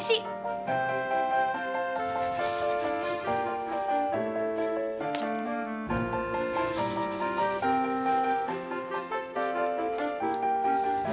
cortai sini sih